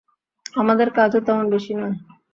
আমাদের কাজও তেমন বেশি নয়।